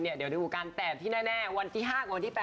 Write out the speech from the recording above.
เดี๋ยวในโหการ๘ที่แน่วันที่๕วันที่๘